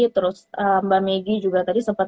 terus mbak megi juga tadi sempat